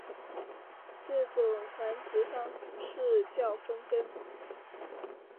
这种繁殖方式叫分根。